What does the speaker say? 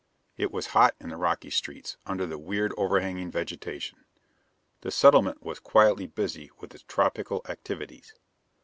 It was hot in the rocky streets under the weird overhanging vegetation. The settlement was quietly busy with its tropical activities.